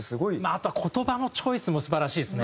あとは言葉のチョイスも素晴らしいですね